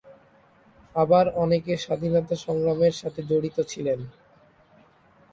আবার অনেকে স্বাধীনতা সংগ্রামের সাথে জড়িত ছিলেন।